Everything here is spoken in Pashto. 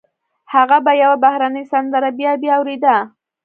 هغه به يوه بهرنۍ سندره بيا بيا اورېده.